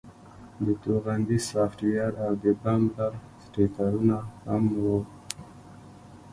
د توغندي سافټویر او د بمپر سټیکرونه هم وو